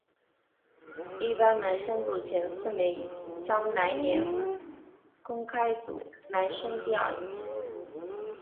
一般男生组前四名将来年公开组男生第二级。